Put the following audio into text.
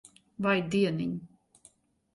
Vai dieniņ.